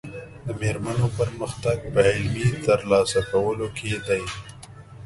د مېرمنو پرمختګ په علمي ترلاسه کولو کې دی.